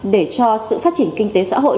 để cho sự phát triển kinh tế xã hội